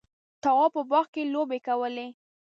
تواب په باغ کې لوبې کولې.